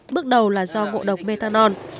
bước đầu là do ngộ độc methanol